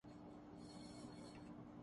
حاصل کر کے اپنی نسل میں منتقل کر کے